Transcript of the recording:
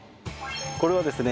これはですね